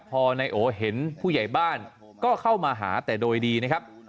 พอนายโอเห็นผู้ใหญ่บ้านก็เข้ามาหาแต่โดยดีนะครับ